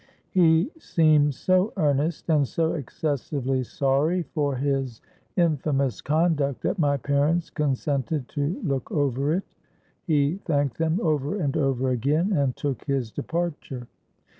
He seemed so earnest, and so excessively sorry for his infamous conduct, that my parents consented to look over it. He thanked them over and over again, and took his departure.